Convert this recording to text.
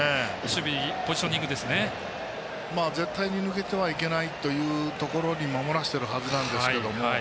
絶対に抜けてはいけないというところに守らせてるはずなんですけど。